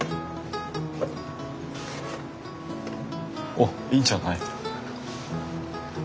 おっいいんじゃない。